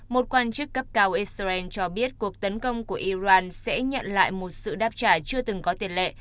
một quan chức cấp cao israel cho biết cuộc tấn công của iran sẽ nhận lại một sự đáp trả chưa từng có tiền lệ